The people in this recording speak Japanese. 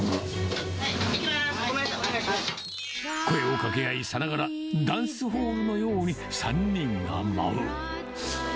声をかけ合い、さながらダンスホールのように、３人が舞う。